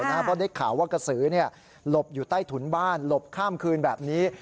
เพราะได้ข่าวว่ากระสือหลบอยู่ใต้ถุนบ้านหลบข้ามคืนแบบนี้